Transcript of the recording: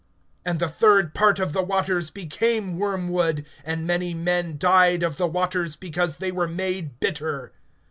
And the third part of the waters became wormwood; and many men died of the waters, because they were made bitter.